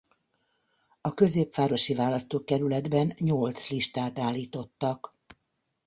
A középvárosi választókerületben nyolc listát állítottak.